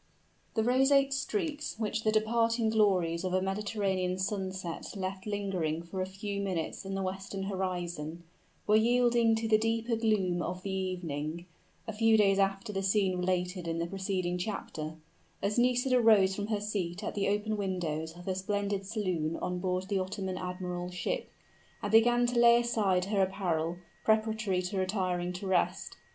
The roseate streaks which the departing glories of a Mediterranean sunset left lingering for a few minutes in the western horizon, were yielding to the deeper gloom of evening, a few days after the scene related in the preceding chapter, as Nisida rose from her seat at the open windows of her splendid saloon on board the Ottoman Admiral's ship, and began to lay aside her apparel, preparatory to retiring to rest.